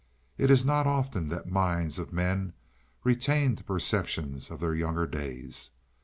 It is not often that the minds of men retain the perceptions of their younger days.